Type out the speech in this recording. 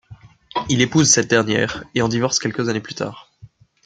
Il épouse cette dernière, et en divorce quelques années plus tard.